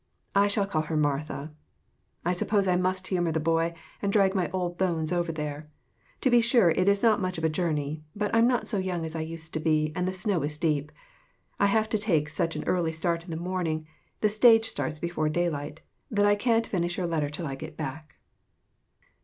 I shall call her "Martha." I suppose I must humor the boy, and drag my old bones over there. To be sure, it is not much of a journey, but I'm not so young as I used to be, and the snow is deep. I have to take such an early start in the morning the stage starts before daylight that I can't finish your letter till I get back.